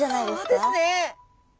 そうですね。